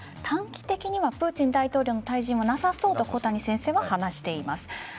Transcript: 短期的にはプーチン大統領の退陣はなさそうと小谷先生は話しています。